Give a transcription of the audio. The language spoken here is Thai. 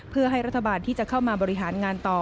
เพื่อให้รัฐบาลที่จะเข้ามาบริหารงานต่อ